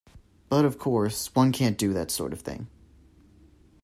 But, of course, one can't do that sort of thing.